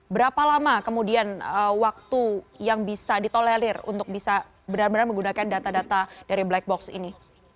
berapa lama kemudian waktu yang bisa ditolelir untuk bisa benar benar menggunakan data data dari black box ini